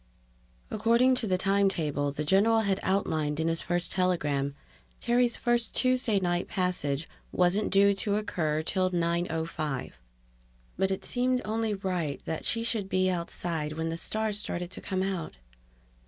According to the time table the general had outlined in his first telegram, Terry's first Tuesday night passage wasn't due to occur till 9:05. But it seemed only right that she should be outside when the stars started to come out.